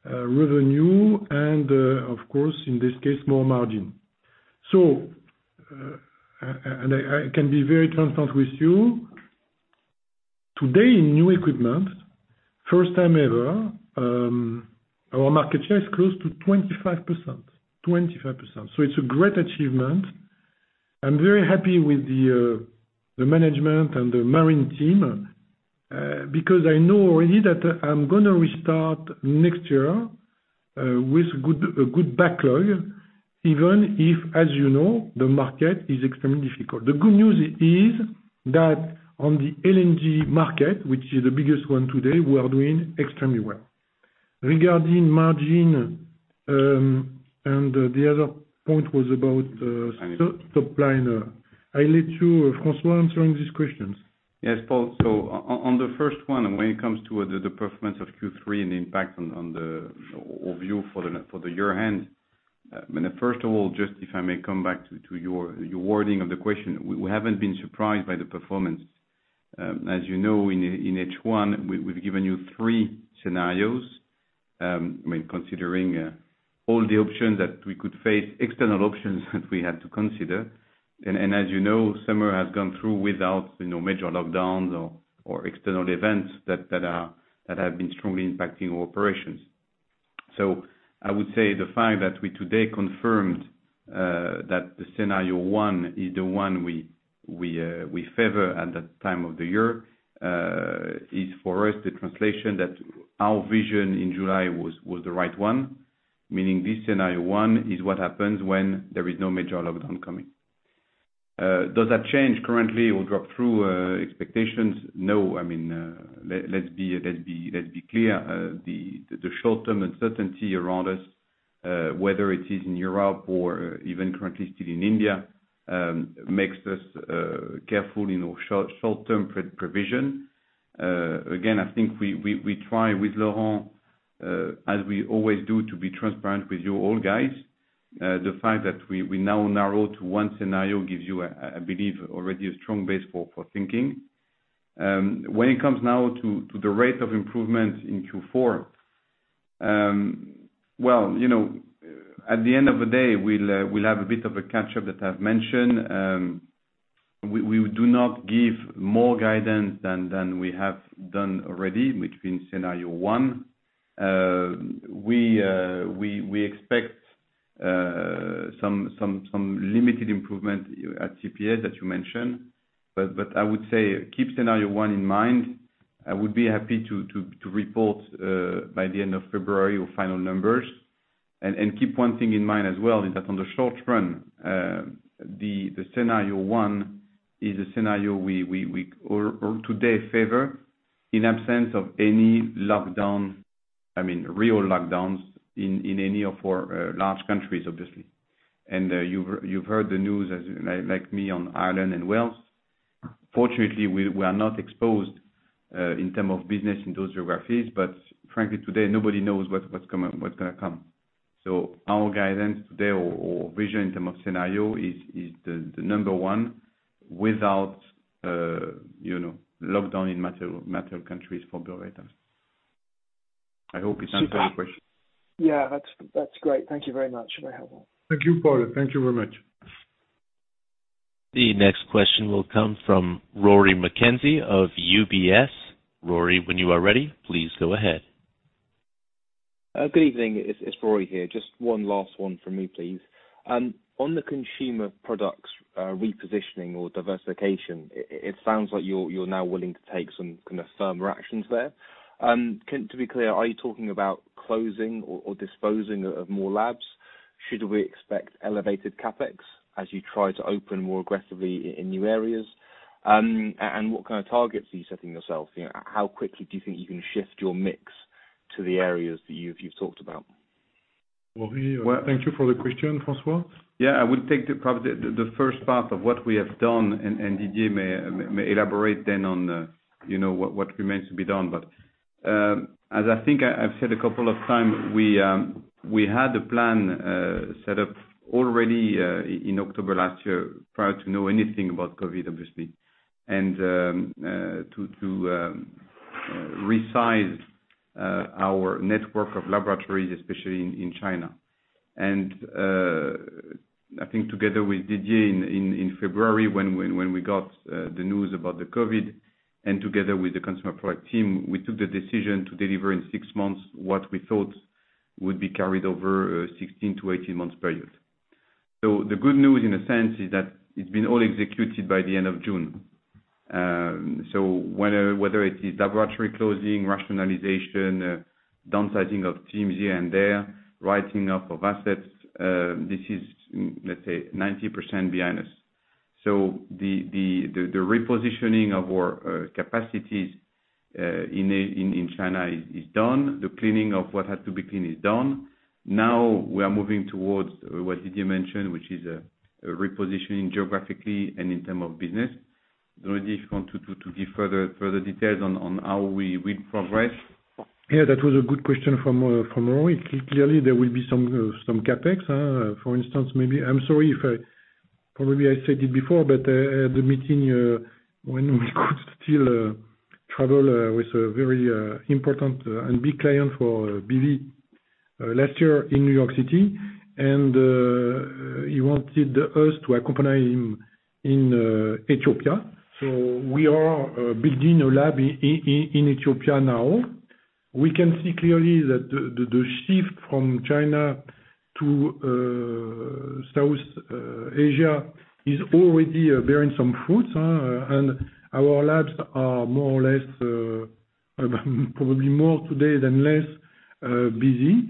revenue and, of course, in this case, more margin. I can be very transparent with you. Today, in new equipment, first time ever, our market share is close to 25%. It's a great achievement. I'm very happy with the management and the Marine team, because I know already that I'm going to restart next year, with good backlog, even if, as you know, the market is extremely difficult. The good news is that on the LNG market, which is the biggest one today, we are doing extremely well. Regarding margin, the other point was about, supplier. I let you, François, answering these questions. Yes, Paul. On the first one, when it comes to the performance of Q3 and the impact on the overview for the year-end, first of all, just if I may come back to your wording of the question, we haven't been surprised by the performance. As you know, in H1, we've given you three scenarios, considering all the options that we could face, external options that we had to consider. As you know, summer has gone through without major lockdowns or external events that have been strongly impacting our operations. I would say the fact that we today confirmed that the scenario 1 is the one we favor at that time of the year, is for us the translation that our vision in July was the right one, meaning this scenario 1 is what happens when there is no major lockdown coming. Does that change currently or drop through expectations? No, let's be clear. The short-term uncertainty around us, whether it is in Europe or even currently still in India, makes us careful in our short-term provision. Again, I think we try with Laurent, as we always do, to be transparent with you all guys. The fact that we now narrow to one scenario gives you, I believe, already a strong base for thinking. When it comes now to the rate of improvement in Q4, well, at the end of the day, we'll have a bit of a catch-up that I've mentioned. We do not give more guidance than we have done already, which means scenario one. We expect some limited improvement at CPS that you mentioned. I would say, keep scenario one in mind. I would be happy to report by the end of February our final numbers. Keep one thing in mind as well is that on the short run, the scenario 1 is a scenario we today favor in absence of any lockdown, I mean, real lockdowns in any of our large countries, obviously. You've heard the news, like me, on Ireland and Wales. Fortunately, we are not exposed in term of business in those geographies. Frankly, today, nobody knows what's going to come. Our guidance today or vision in term of scenario is the number one without lockdown in material countries for Bureau Veritas. I hope it answers your question. Yeah, that's great. Thank you very much. Thank you, Paul. Thank you very much. The next question will come from Rory McKenzie of UBS. Rory, when you are ready, please go ahead. Good evening. It's Rory here. One last one from me, please. On the Consumer Products repositioning or diversification, it sounds like you're now willing to take some firmer actions there. To be clear, are you talking about closing or disposing of more labs? Should we expect elevated CapEx as you try to open more aggressively in new areas? What kind of targets are you setting yourself? How quickly do you think you can shift your mix to the areas that you've talked about? Rory, thank you for the question. François? Yeah, I would take probably the first part of what we have done, Didier may elaborate then on what remains to be done. As I think I've said a couple of times, we had a plan set up already in October last year prior to knowing anything about COVID, obviously, to resize our network of laboratories, especially in China. I think together with Didier in February when we got the news about the COVID and together with the Consumer Products team, we took the decision to deliver in six months what we thought would be carried over a 16 months-18 months period. The good news, in a sense, is that it's been all executed by the end of June. Whether it is laboratory closing, rationalization, downsizing of teams here and there, writing off of assets, this is, let's say, 90% behind us. The repositioning of our capacities in China is done. The cleaning of what had to be cleaned is done. We are moving towards what Didier mentioned, which is repositioning geographically and in term of business. Rory, if you want to give further details on how we will progress. Yeah, that was a good question from Rory. Clearly, there will be some CapEx. I'm sorry if probably I said it before, but at the meeting when we could still travel with a very important and big client for BV last year in New York City, and he wanted us to accompany him in Ethiopia. We are building a lab in Ethiopia now. We can see clearly that the shift from China to South Asia is already bearing some fruits. Our labs are more or less, probably more today than less, busy.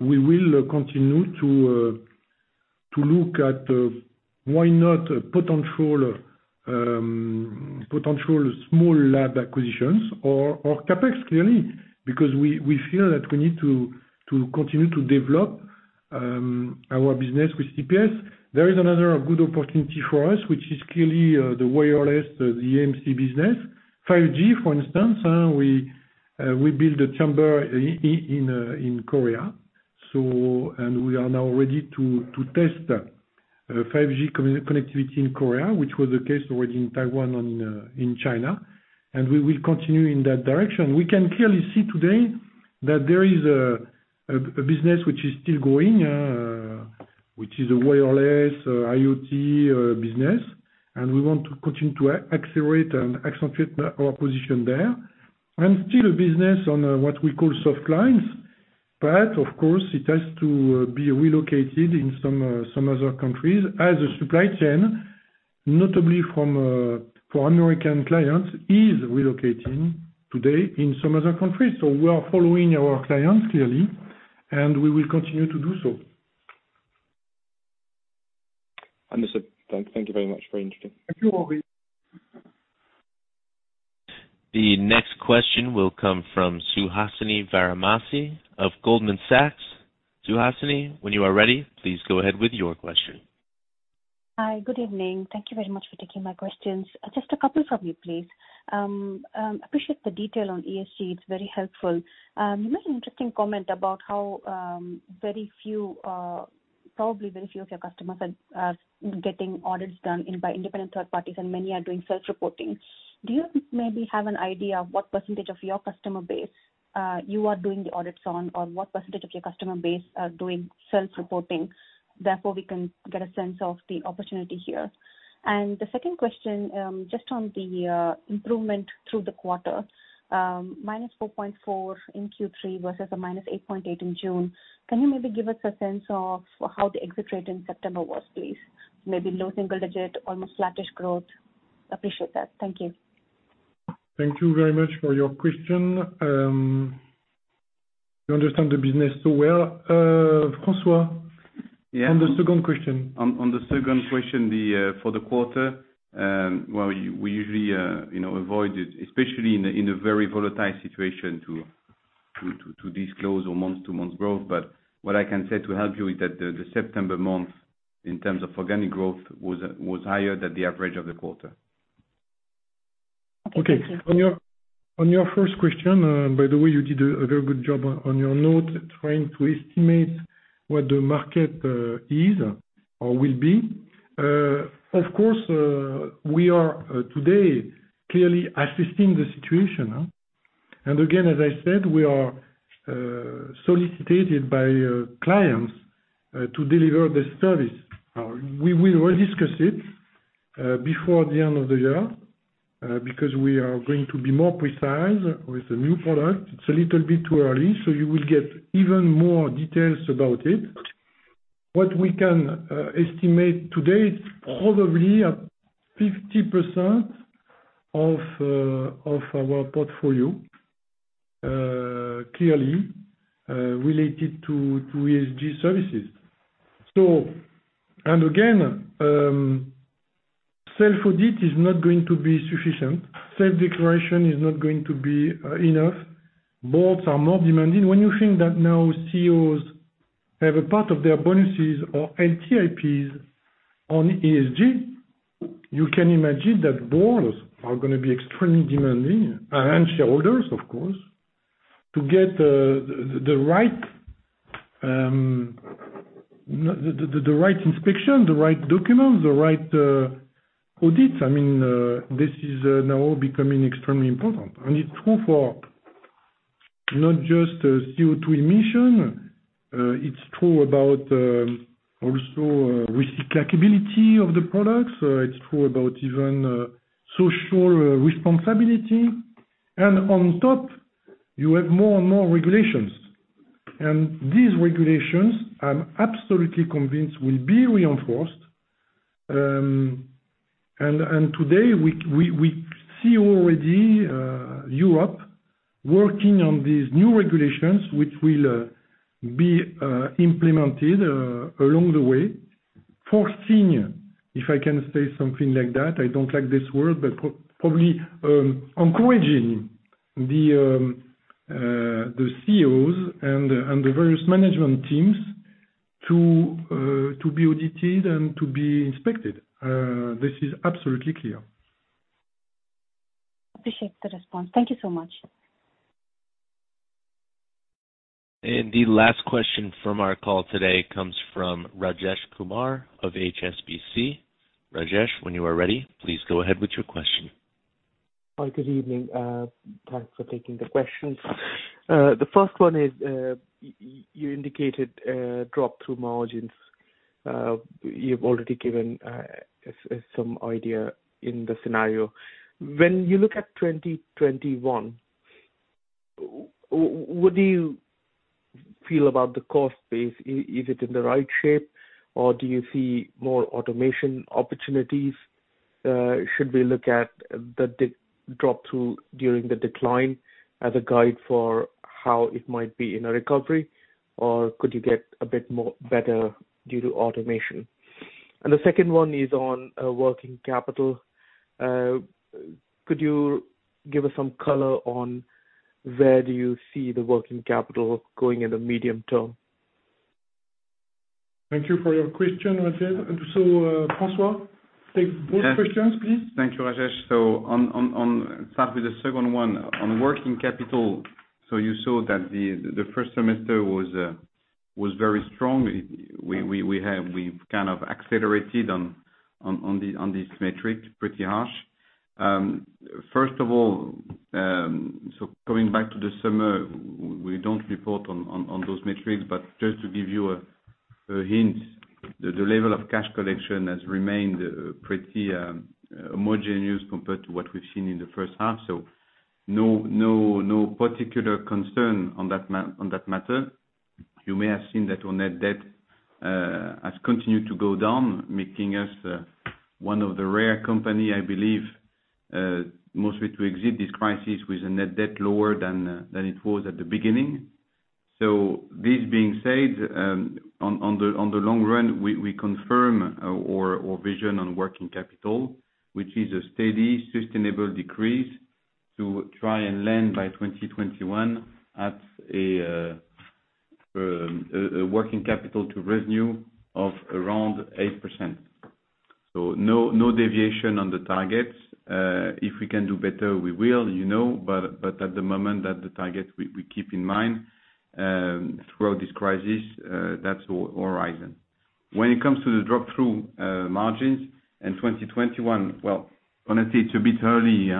We will continue to look at why not potential small lab acquisitions or CapEx, clearly, because we feel that we need to continue to develop our business with CPS. There is another good opportunity for us, which is clearly the wireless, the EMC business, 5G, for instance. We build a chamber in Korea. We are now ready to test 5G connectivity in Korea, which was the case already in Taiwan and in China. We will continue in that direction. We can clearly see today that there is a business which is still growing, which is a wireless IoT business. We want to continue to accelerate and accentuate our position there. Still a business on what we call Softlines. Of course, it has to be relocated in some other countries as a supply chain, notably for American clients, is relocating today in some other countries. We are following our clients clearly, and we will continue to do so. Understood. Thank you very much. Very interesting. Thank you, Rory. The next question will come from Suhasini Varanasi of Goldman Sachs. Suhasini, when you are ready, please go ahead with your question. Hi. Good evening? Thank you very much for taking my questions. Just a couple from me, please. Appreciate the detail on ESG. It's very helpful. You made an interesting comment about how probably very few of your customers are getting audits done by independent third parties, and many are doing self-reporting. Do you maybe have an idea of what percentage of your customer base you are doing the audits on, or what percentage of your customer base are doing self-reporting? Therefore, we can get a sense of the opportunity here. The second question, just on the improvement through the quarter, -4.4% in Q3 versus a -8.8% in June, can you maybe give us a sense of how the exit rate in September was, please? Maybe low single digit, almost flattish growth. Appreciate that. Thank you. Thank you very much for your question. You understand the business so well. François, on the second question. On the second question, for the quarter, well, we usually avoid it, especially in a very volatile situation, to disclose on month-to-month growth. What I can say to help you is that the September month in terms of organic growth was higher than the average of the quarter. Okay. Thank you. On your first question, by the way, you did a very good job on your note trying to estimate what the market is or will be. Of course, we are today clearly assisting the situation. Again, as I said, we are solicited by clients to deliver this service. We will re-discuss it before the end of the year, because we are going to be more precise with the new product. It's a little bit too early. You will get even more details about it. What we can estimate today, it's probably at 50% of our portfolio, clearly, related to ESG services. Again, self-audit is not going to be sufficient. Self-declaration is not going to be enough. Boards are more demanding. When you think that now Chief Executive Officers have a part of their bonuses or LTIPs on ESG, you can imagine that boards are going to be extremely demanding, and shareholders of course, to get the right inspection, the right documents, the right audits. This is now becoming extremely important. It's true for not just CO2 emission. It's true about also recyclability of the products. It's true about even social responsibility. On top, you have more and more regulations. These regulations, I'm absolutely convinced, will be reinforced. Today we see already Europe working on these new regulations, which will be implemented along the way, forcing, if I can say something like that, I don't like this word, but probably encouraging the Chief Executive Officers and the various management teams to be audited and to be inspected. This is absolutely clear. Appreciate the response. Thank you so much. The last question from our call today comes from Rajesh Kumar of HSBC. Rajesh, when you are ready, please go ahead with your question. Hi. Good evening? Thanks for taking the questions. The first one is, you indicated drop through margins. You've already given some idea in the scenario. When you look at 2021, what do you feel about the cost base? Is it in the right shape, or do you see more automation opportunities? Should we look at the drop through during the decline as a guide for how it might be in a recovery, or could you get a bit better due to automation? The second one is on working capital. Could you give us some color on where do you see the working capital going in the medium term? Thank you for your question, Rajesh. François, take both questions, please. Thank you, Rajesh. Start with the second one. On working capital, you saw that the first semester was very strong. We've kind of accelerated on this metric pretty harsh. First of all, coming back to the summer, we don't report on those metrics, but just to give you a hint, the level of cash collection has remained pretty homogeneous compared to what we've seen in the first half. No particular concern on that matter. You may have seen that our net debt has continued to go down, making us one of the rare company, I believe, mostly to exit this crisis with a net debt lower than it was at the beginning. This being said, on the long run, we confirm our vision on working capital, which is a steady, sustainable decrease to try and land by 2021 at a working capital to revenue of around 8%. No deviation on the targets. If we can do better, we will. At the moment, that's the target we keep in mind, throughout this crisis. That's our horizon. When it comes to the drop through margins in 2021, well, honestly, it's a bit early.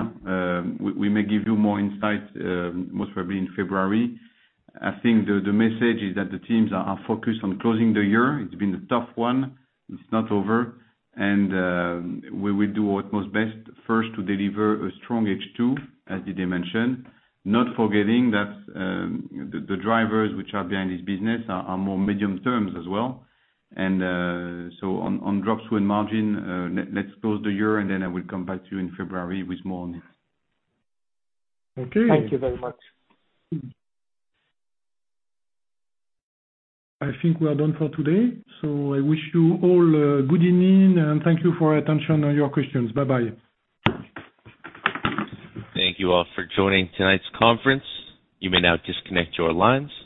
We may give you more insight, most probably in February. I think the message is that the teams are focused on closing the year. It's been a tough one. It's not over, and we will do what most best first to deliver a strong H2, as Didier mentioned, not forgetting that the drivers which are behind this business are more medium terms as well. On drop through and margin, let's close the year, then I will come back to you in February with more on it. Okay. Thank you very much. I think we are done for today. I wish you all good evening, and thank you for your attention and your questions. Bye-bye. Thank you all for joining tonight's conference, you may now disconnect your lines.